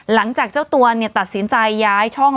หลังจากเจ้าตัวตัดสินใจย้ายช่อง